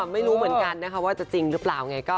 ไม่รู้เหมือนกันนะคะว่าจะจริงหรือเปล่าไง